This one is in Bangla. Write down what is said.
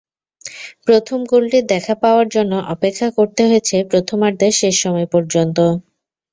প্রথম গোলটির দেখা পাওয়ার জন্য অপেক্ষা করতে হয়েছে প্রথমার্ধের শেষ সময় পর্যন্ত।